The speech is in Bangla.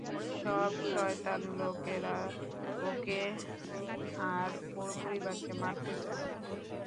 সব শয়তান লোকেরা ওকে আর ওর পরিবারকে মারতে চায়।